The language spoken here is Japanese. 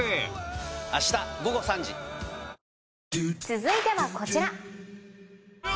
続いてはこちら！